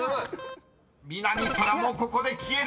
［南沙良もここで消える！